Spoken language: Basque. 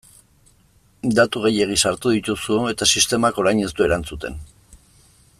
Datu gehiegi sartu dituzu eta sistemak orain ez du erantzuten.